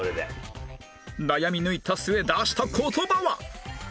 悩み抜いた末出した言葉は？